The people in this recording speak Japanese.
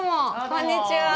こんにちは。